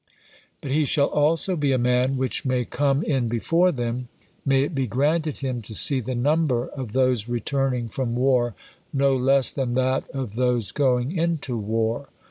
But he shall also be a man 'which may come in before them;' may it be granted him to see the number of those returning from war no less than that of those going into war.